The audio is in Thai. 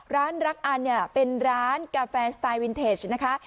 รักอันเนี่ยเป็นร้านกาแฟสไตล์วินเทจนะคะ